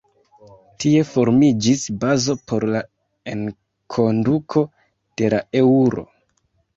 Tie formiĝis bazo por la enkonduko de la Eŭro.